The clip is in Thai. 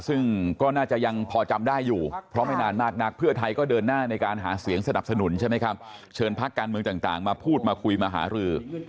ซึ่งก็น่าจะยังพอจำได้อยู่